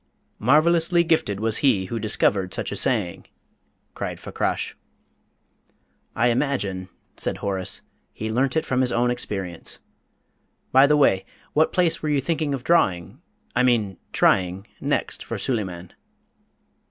'" "Marvellously gifted was he who discovered such a saying!" cried Fakrash. "I imagine," said Horace, "he learnt it from his own experience. By the way, what place were you thinking of drawing I mean trying next for Suleyman?"